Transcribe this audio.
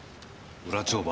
裏帳場？